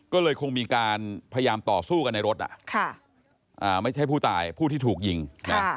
ก็เลยคงมีการพยายามต่อสู้กันในรถอ่ะค่ะอ่าไม่ใช่ผู้ตายผู้ที่ถูกยิงนะ